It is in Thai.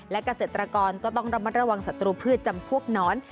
และเกษตรกรก็ต้องระมัดระวังศัตรูพืชจำพวกหนอน